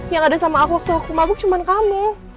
yang ada sama aku waktu aku mabuk cuma kamu